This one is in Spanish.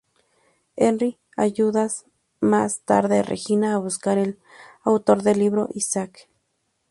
Henry ayudas más tarde a Regina a buscar al autor del libro, Isaac.